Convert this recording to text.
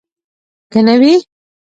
که نه وي.